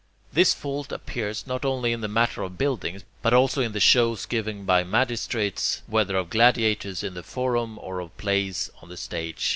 This fault appears not only in the matter of buildings, but also in the shows given by magistrates, whether of gladiators in the forum or of plays on the stage.